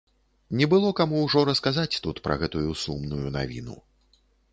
Не было каму ўжо расказаць тут пра гэтую сумную навіну.